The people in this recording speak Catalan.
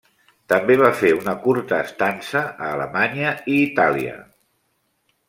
També va fer una curta estança a Alemanya i Italià.